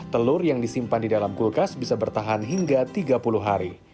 telur yang disimpan di dalam kulkas bisa bertahan hingga tiga puluh hari